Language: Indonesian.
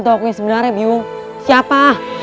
tawakunya sebenarnya biung siapa